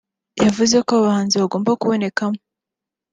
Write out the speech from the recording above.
yavuze ko aba bahanzi bagomba kubonekamo